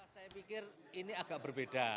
saya pikir ini agak berbeda